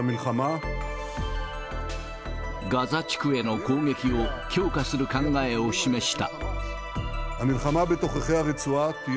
ガザ地区への攻撃を強化する考えを示した。